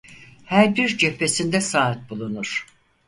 Her bir cephesinde saat bulunur.